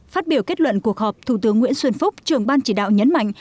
phát biểu kết luận cuộc họp thủ tướng nguyễn xuân phúc trưởng ban chỉ đạo nhấn mạnh